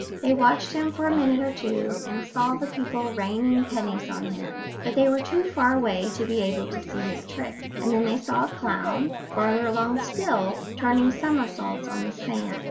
They watched him for a minute or two, and saw the people raining pennies on him, but they were too far away to be able to see his tricks; and then they saw a clown, farther along still, turning somersaults on the sand.